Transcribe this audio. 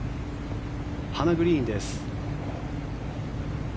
ハナ・グリーンです。